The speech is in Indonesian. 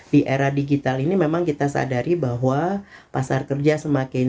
di era digital ini memang kita sadari bahwa pasar kerja semakin